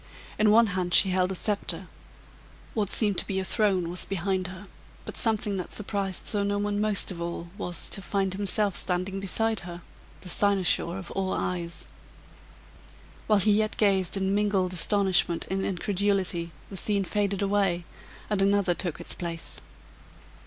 In one hand she held a sceptre; what seemed to be a throne was behind her, but something that surprised Sir Norton most of all was, to find himself standing beside her, the cynosure of all eyes. While he yet gazed in mingled astonishment and incredulity, the scene faded away, and another took its place.